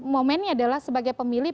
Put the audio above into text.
momennya adalah sebagai pemilih